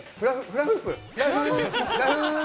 フラフープ！